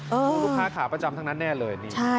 ลูกค้าขาประจำทั้งนั้นแน่เลยนี่